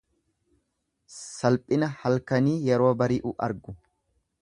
Salphina halkanii yeroo bari'u argu.